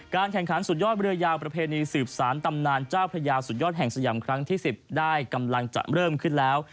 แข่งขันสุดยอดเรือยาวประเพณีสืบสารตำนานเจ้าพระยาสุดยอดแห่งสยามครั้งที่๑๐ได้กำลังจะเริ่มขึ้นแล้ว